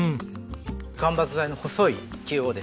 間伐材の細い木をですね